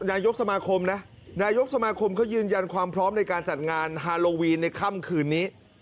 นายกสมาคมนะนายกสมาคมเขายืนยันความพร้อมในการจัดงานฮาโลวีนในค่ำคืนนี้